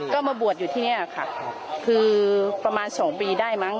ก็มาบวชอยู่ที่นี่ค่ะคือประมาณ๒ปีได้มั้ง